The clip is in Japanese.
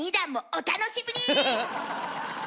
お楽しみに。